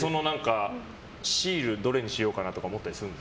シールどれにしようかなとか思ったりするの？